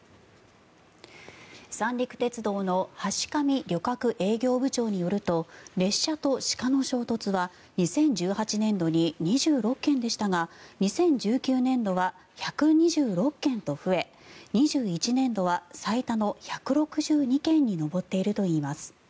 三陸鉄道の橋上旅客営業部長によると列車と鹿の衝突は２０１８年度に２６件でしたが２０１９年度は１２６件と増え２１年度は最多の１６２件に上っているといいます。